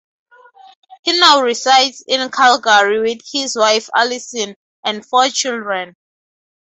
He now resides in Calgary with his wife Alison and four children.